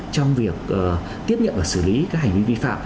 trong việc tiếp nhận và xử lý các hành vi vi phạm